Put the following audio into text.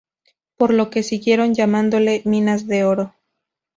Por lo que siguieron llamándole "Minas de Oro".